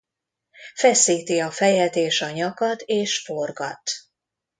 Feszíti a fejet és a nyakat és forgat.